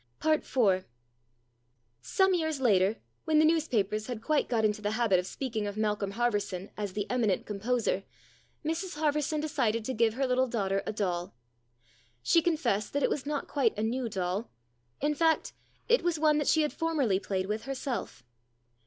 IV SOME years later, when the newspapers had quite got into the habit of speaking of Malcolm Harverson as " the eminent composer," Mrs Harverson decided to give her little daughter a doll. She confessed that it was not quite a new 180 STORIES IN GREY doll : in fact, it was one that she had formerly played with herself.